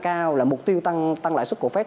cao là mục tiêu tăng lại suất của fed